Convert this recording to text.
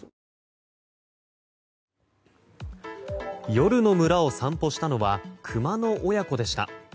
夜の村を散歩したのはクマの親子でした。